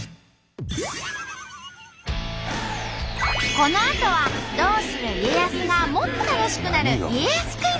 このあとは「どうする家康」がもっと楽しくなる家康クイズ。